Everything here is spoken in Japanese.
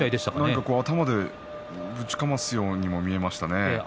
何か、頭でぶちかますようにも見えましたね。